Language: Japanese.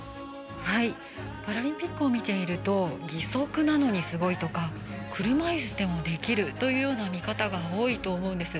パラリンピックを見ていると「義足なのにすごい」とか「車いすでもできる」という見方が多いと思うんです。